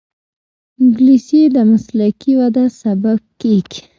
انګلیسي د مسلکي وده سبب کېږي